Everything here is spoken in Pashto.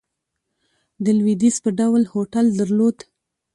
د لوېدیځ په ډول هوټل درلود.